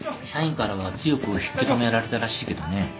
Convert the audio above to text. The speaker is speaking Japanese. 社員からは強く引き留められたらしいけどね。